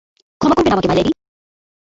ক্ষমা করবেন আমাকে, মাই লেডি!